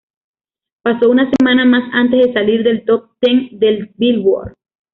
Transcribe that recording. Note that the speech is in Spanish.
Paso una semana más antes de salir del top ten del "Billboard".